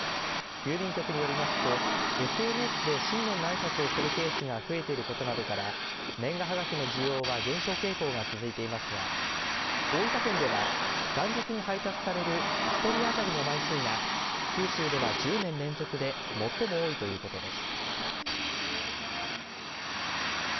郵便局によりますとＳＮＳで新年のあいさつをするケースが増えていることなどから年賀はがきの需要は減少傾向が続いていますが大分県では元日に配達される１人当たりの枚数が九州では１０年連続で最も多いということです。